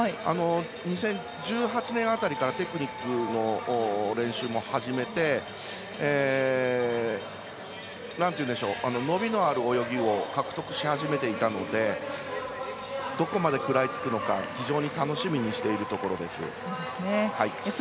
２０１８年辺りからテクニックの練習も始めて伸びのある泳ぎを獲得し始めていたのでどこまで食らいつくのか非常に楽しみにしているところです。